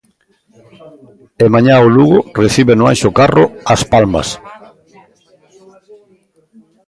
E mañá o Lugo recibe no Anxo Carro As Palmas.